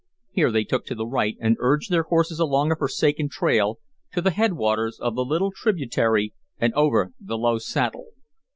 Here they took to the right and urged their horses along a forsaken trail to the head waters of the little tributary and over the low saddle.